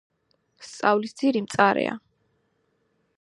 სწავლის ძირი მწარეა